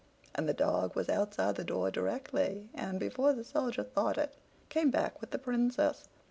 And the dog was outside the door directly, and, before the Soldier thought it, came back with the Princess.